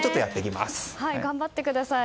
頑張ってください。